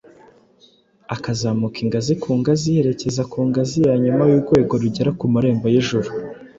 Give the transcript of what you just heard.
akazamuka ingazi ku ngazi yerekeza ku ngazi ya nyuma y’urwego rugera ku marembo y’ijuru.